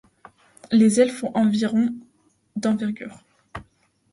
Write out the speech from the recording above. Les ailes font environ d'envergure.